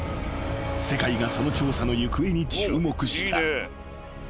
［世界がその調査の行方に注目した］